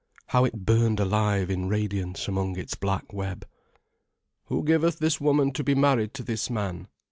How it burned alive in radiance among its black web. "Who giveth this woman to be married to this man?"